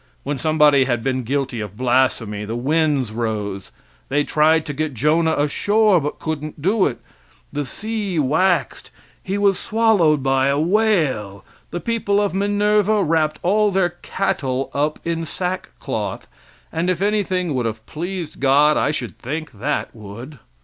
When somebody had been guilty of blasphemy the winds rose; they tried to get Jonah ashore, but couldn't do it. The sea waxed. He was swallowed by a whale. The people of Minerva wrapped all their cattle up in sack cloth, and if anything would have pleased God I should think that would.